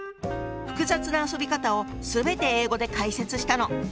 複雑な遊び方を全て英語で解説したの。